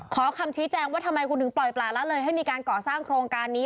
คำชี้แจงว่าทำไมคุณถึงปล่อยปลาละเลยให้มีการก่อสร้างโครงการนี้